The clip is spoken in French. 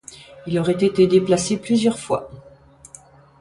Il aurait été déplacé plusieurs fois.